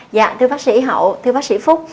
dạ thưa bác sĩ hậu thưa bác sĩ phúc